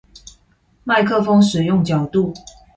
麥克風使用角度